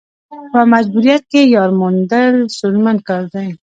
په مجبوریت کې یار موندل ستونزمن کار دی.